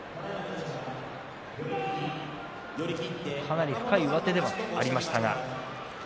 かなり深い上手でもありましたが。